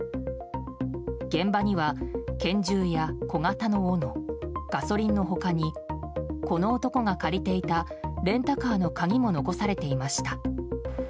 現場には拳銃や、小型のおのガソリンの他にこの男が借りていたレンタカーの鍵も残されていました。